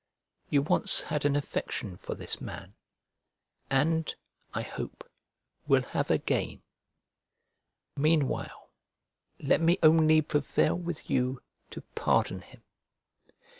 You once had an affection for this man, and, I hope, will have again; meanwhile, let me only prevail with you to pardon him.